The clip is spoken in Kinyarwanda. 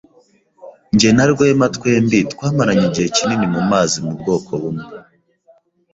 Jye na Rwema twembi twamaranye igihe kinini mu mazi mu bwoko bumwe.